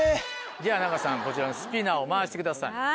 では仲さんこちらのスピナーを回してください。